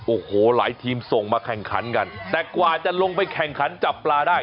โอ้โหหลายทีมส่งมาแข่งขันกันแต่กว่าจะลงไปแข่งขันจับปลาได้